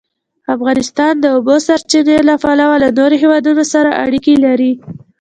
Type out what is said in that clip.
افغانستان د د اوبو سرچینې له پلوه له نورو هېوادونو سره اړیکې لري.